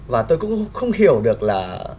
và tôi cũng không hiểu được là